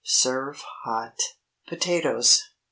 Serve hot! POTATOES.